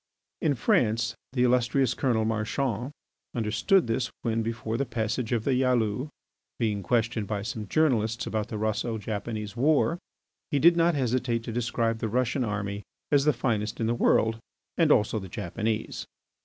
In France the illustrious Colonel Marchand understood this when, before the passage of the Yalou, being questioned by some journalists about the Russo Japanese war, he did not hesitate to describe the Russian army as the finest in the world, and also the Japanese.